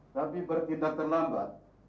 tapi bertindak terlambat